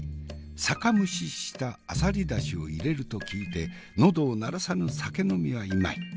酒蒸ししたあさり出汁を入れると聞いて喉を鳴らさぬ酒呑みはいまい。